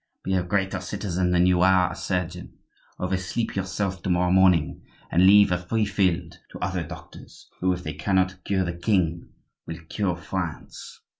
Be a greater citizen than you are a surgeon; oversleep yourself to morrow morning and leave a free field to the other doctors who if they cannot cure the king will cure France."